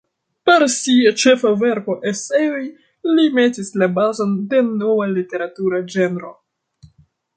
Per sia ĉefa verko "Eseoj", li metis la bazon de nova literatura ĝenro.